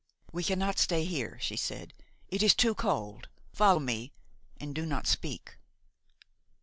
"We cannot stay here," she said, "it is too cold. Follow me and do not speak."